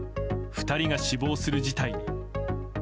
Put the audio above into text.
２人が死亡する事態に。